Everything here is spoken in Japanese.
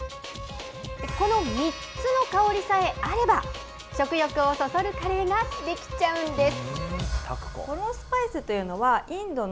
この３つの香りさえあれば、食欲をそそるカレーが出来ちゃうんです。